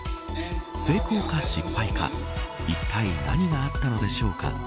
成功か失敗かいったい何があったのでしょうか。